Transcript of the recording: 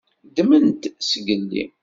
Ddmen-t zgelli.